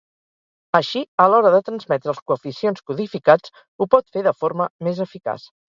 Així a l'hora de transmetre els coeficients codificats ho pot fer de forma més eficaç.